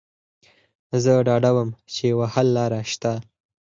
زه ډاډه وم چې یوه حل لاره شته